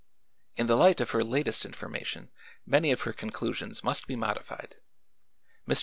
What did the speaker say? In the light of her latest information many of her conclusions must be modified. Mr.